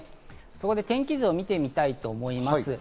そこで天気図を見てみたいと思います。